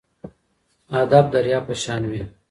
ادب درياب په شان وي.